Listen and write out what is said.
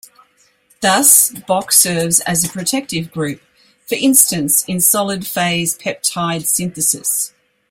Thus, Boc serves as a protective group, for instance in solid phase peptide synthesis.